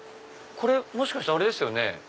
これもしかしてあれですよね。